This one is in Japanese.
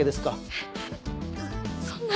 えっそんな。